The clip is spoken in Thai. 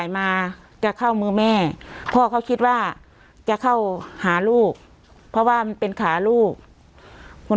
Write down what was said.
แม่พ่อเขาคิดว่าจะเข้าหาลูกเพราะว่ามันเป็นขาลูกคุณ